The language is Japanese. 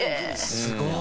すごい！